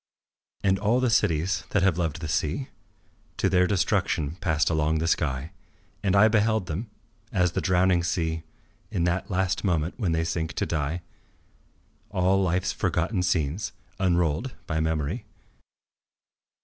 And all the cities that have loved the sea To their destruction, passed along the sky, And I beheld them, as the drowning see, In that last moment when they sink to die, All life's forgotten scenes unrolled by memory.